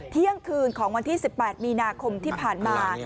เที่ยงคืนของวันที่๑๘มีนาคมที่ผ่านมา